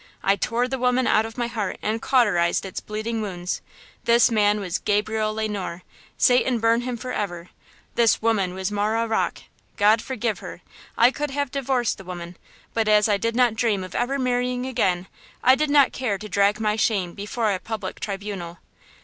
I tore the woman out of my heart and cauterized its bleeding wounds. This man was Gabriel Le Noir! Satan burn him forever! This woman was Marah Rocke, God forgive her! I could have divorced the woman, but as I did not dream of ever marrying again, I did not care to drag my shame before a public tribunal.